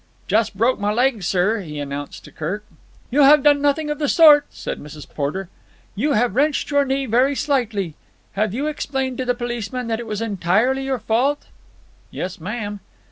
"Just broke my leg, sir," he announced to Kirk. "You have done nothing of the sort," said Mrs. Porter. "You have wrenched your knee very slightly. Have you explained to the policeman that it was entirely your fault?" "Yes, ma'am."